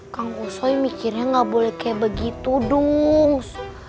kang kusoy mikirnya gak boleh kayak begitu dungs